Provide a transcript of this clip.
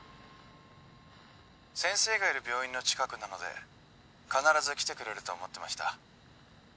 先生がいる病院の近くなので必ず来てくれると思ってました